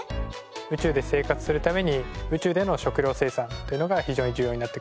宇宙で生活するために宇宙での食料生産というのが非常に重要になってくる。